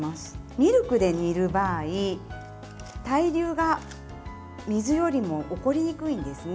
ミルクで煮る場合、対流が水よりも起こりにくいんですね。